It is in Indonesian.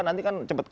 nanti kan cepat